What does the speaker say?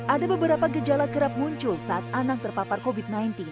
ada beberapa gejala kerap muncul saat anak terpapar covid sembilan belas